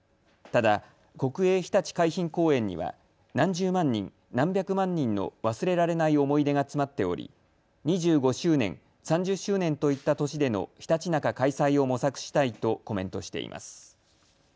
ただ、国営ひたち海浜公園には何十万人、何百万人の忘れられない思い出が詰まっており２５周年、３０周年といった年でのひたちなか開催を模索したいとコメントしています。